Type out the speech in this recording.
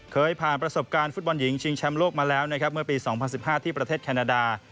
เคยผ่านประสบการณ์ฟุตบอลหญิงชิงแชมป์โลกมาแล้วนะครับเมื่อปี๒๐๑๕ที่ประเทศแคนาดา